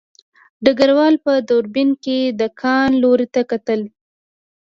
ډګروال په دوربین کې د کان لور ته کتل